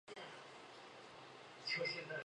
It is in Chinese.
良种繁育场是下辖的一个类似乡级单位。